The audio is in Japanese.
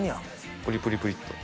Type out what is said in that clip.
プリプリプリっと。